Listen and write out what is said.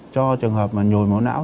cho trường hợp nhồi máu não